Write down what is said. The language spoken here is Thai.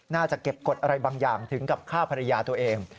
น่าจะเก็บกฎอะไรบางอย่างถึงกับฆ่าภรรยาตัวเอง